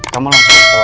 kamu langsung jawab dia